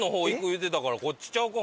言うてたからこっちちゃうか？